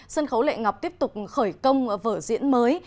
sân khấu lệ ngọc tiếp tục khởi công vở diễn mới